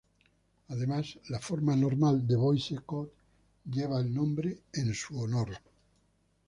Además, la Forma normal de Boyce-Codd lleva el nombre en su honor.